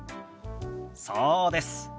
そうです。